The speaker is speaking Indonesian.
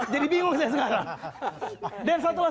jadi bingung saya sekarang